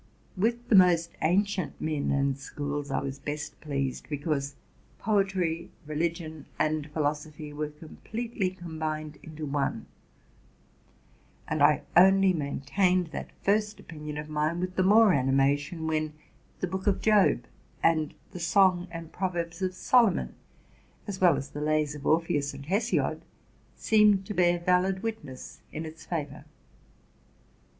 With the most ancient men and schools I was best pleased, because poetry, religion, and philosophy were completely combined into one; and I only maintained that first opinion of mine with the more anima tion, when the Book of Job and the Song and Proverbs of Solomon, as well as the lays of Orpheus and Hesiod, seemed RELATING TO MY LIFE. 183 to bear valid witness in its favor.